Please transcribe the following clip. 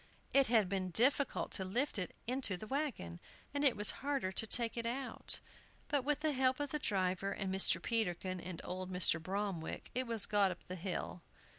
It had been difficult to lift it into the wagon, and it was harder to take it out. But with the help of the driver, and Mr. Peterkin, and old Mr. Bromwick, it was got up the hill.